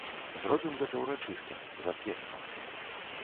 Зробім гэта ўрачыста, з аркестрам.